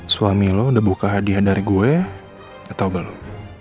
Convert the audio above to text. suami lo udah buka hadiah dari gue atau belum